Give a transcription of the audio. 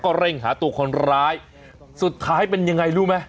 เร่งหาตัวคนร้ายสุดท้ายเป็นยังไงรู้ไหม